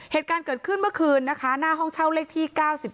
เหตุการณ์เกิดขึ้นเมื่อคืนนะคะหน้าห้องเช่าเลขที่๙๒